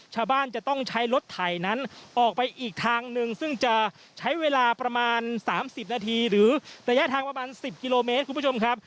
ชาวบ้านจะต้องใช้รถไถนั้นออกไปอีกทางหนึ่งซึ่งจะใช้เวลาประมาณ๓๐นาทีหรือระยะทางประมาณ๑๐กิโลเมตรคุณผู้ชมครับ